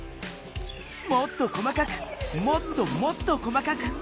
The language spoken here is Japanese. もっと細かくもっともっと細かく。